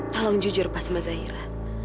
tolong jujur pa sama zahira